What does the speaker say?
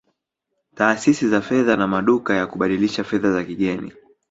Taasisi za fedha na maduka ya kubadilisha fedha za kigeni